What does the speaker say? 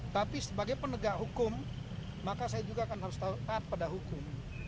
tapi sebagai penegak hukum maka saya juga akan harus taat pada hukum